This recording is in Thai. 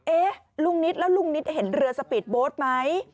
เอ๊ะลุงนิดแล้วลุงนิดเห็นเรือสปีดโบ๊ทไหม